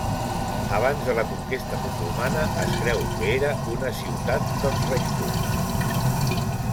Abans de la conquesta musulmana es creu que era una ciutat dels rajputs.